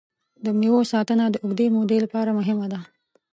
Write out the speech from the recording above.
د مېوو ساتنه د اوږدې مودې لپاره مهمه ده.